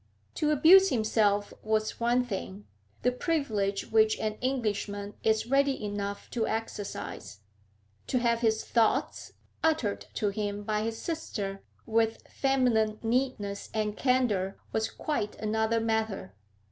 To abuse himself was one thing, the privilege which an Englishman is ready enough to exercise; to have his thoughts uttered to him by his sister with feminine neatness and candour was quite another matter.